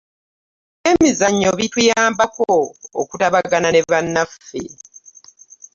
ebyemizannyo bituyambako okutabagana n'ebanaffe